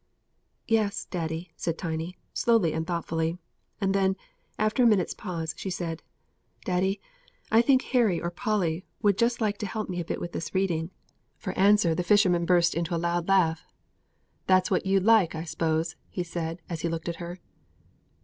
"Yes, daddy," said Tiny, slowly and thoughtfully; and then, after a minute's pause, she said: "Daddy, I think Harry or Polly would just like to help me a bit with this reading." For answer the fisherman burst into a loud laugh. "That's what you'd like, I s'pose?" he said, as he looked at her.